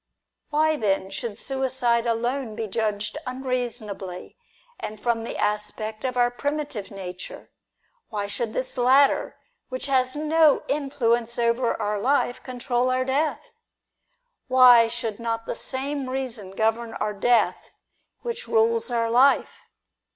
Why then should suicide alone be judged unreasonably, and from the aspect of our primitive nature ? Why should this latter, which has no influence over our life, control our death ? Why should not the same reason govern our death which rules our life